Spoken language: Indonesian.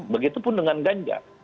begitu pun dengan ganjar